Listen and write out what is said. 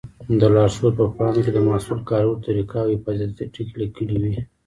د لارښود په پاڼو کې د محصول کارولو طریقه او حفاظتي ټکي لیکلي وي.